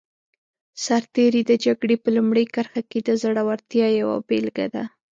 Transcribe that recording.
سرتېری د جګړې په لومړي کرښه کې د زړورتیا یوه بېلګه دی.